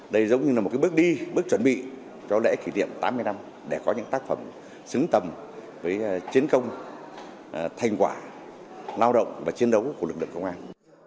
đây giống như là một bước đi bước chuẩn bị cho lễ kỷ niệm tám mươi năm để có những tác phẩm xứng tầm với chiến công thành quả lao động và chiến đấu của lực lượng công an